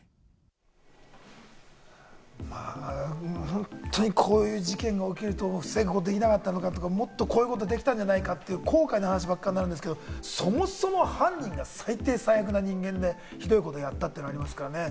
本当にこういう事件が起きると防ぐことができなかったのかとか、もっとこういうことができたんじゃないかという、後悔の話ばっかりになるけれども、そもそも犯人が最低最悪な人間で、ひどいことをやったというのがありますからね。